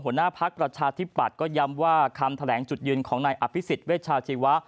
หัวหน้าพักประชาธิปัตย์ก็ย้ำว่าคำแถลงจุดยืนของนายอภิษฎเวชาชีวะ